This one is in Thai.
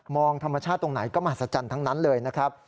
ธรรมชาติตรงไหนก็มหัศจรรย์ทั้งนั้นเลยนะครับ